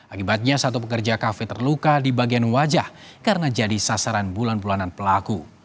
akibatnya satu pekerja kafe terluka di bagian wajah karena jadi sasaran bulan bulanan pelaku